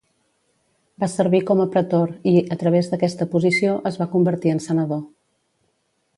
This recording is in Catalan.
Va servir com a pretor i, a través d'aquesta posició, es va convertir en senador.